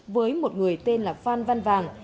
với một người tên là phan văn vàng